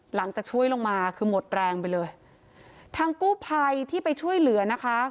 หลังจากช่วยลงมาคือหมดแรงไปเลยทางกู้ภัยที่ไปช่วยเหลือนะคะ